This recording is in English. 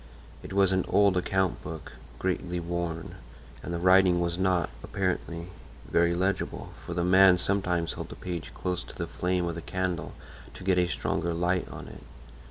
It was an old account book, greatly worn; and the writing was not, apparently, very legible, for the man sometimes held the page close to the flame of the candle to get a stronger light on it.